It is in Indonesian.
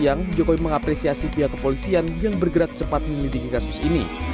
siang jokowi mengapresiasi pihak kepolisian yang bergerak cepat menyelidiki kasus ini